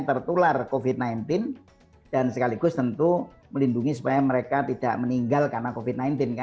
tertular covid sembilan belas dan sekaligus tentu melindungi supaya mereka tidak meninggal karena covid sembilan belas